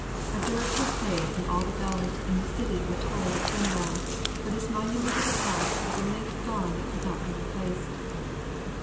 A dirge was played and all the bells in the city were tolled at sundown, for this monument of the past was a link gone that could not be replaced."